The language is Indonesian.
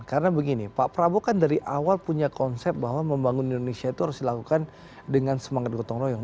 karena begini pak prabowo kan dari awal punya konsep bahwa membangun indonesia itu harus dilakukan dengan semangat gotong royong